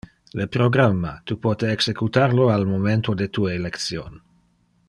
Le programma, tu pote executar lo al momento de tu election.